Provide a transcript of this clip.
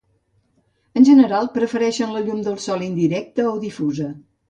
En general, prefereixen la llum del sol indirecte o difusa.